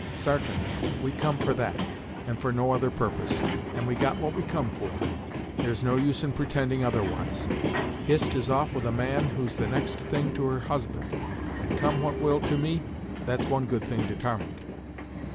Sartain; we come for that, and for no other purpose, and we got what we come for; there's no use in pretending otherwise. Hist is off with a man who's the next thing to her husband, and come what will to me, that's one good thing detarmined."